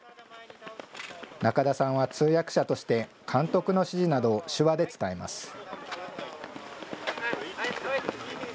中田さんは通訳者として、監督の指示などを手話で伝えます。